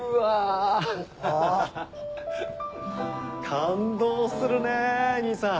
感動するねぇ兄さん。